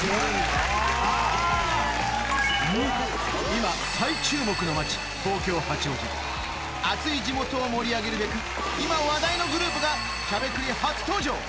今再注目の街東京・八王子熱い地元を盛り上げるべく今話題のグループが『しゃべくり』初登場！